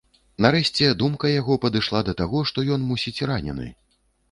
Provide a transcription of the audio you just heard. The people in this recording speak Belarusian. Нарэшце думка яго падышла да таго, што ён, мусіць, ранены.